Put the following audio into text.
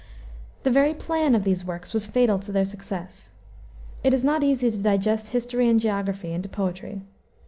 The very plan of these works was fatal to their success. It is not easy to digest history and geography into poetry.